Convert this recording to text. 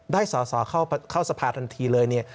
ได้สอสอเข้าสภาทันทีเลยเนี่ย